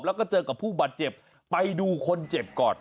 แล้วก็เจอกับผู้บาดเจ็บไปดูคนเจ็บก่อน